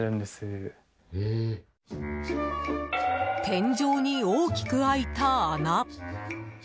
天井に大きく開いた穴。